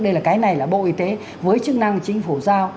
đây là cái này là bộ y tế với chức năng chính phủ giao